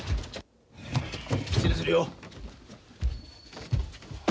失礼するよ。